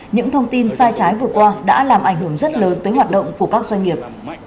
những thông tin sai trái vừa qua đã làm ảnh hưởng rất lớn tới hoạt động của các doanh nghiệp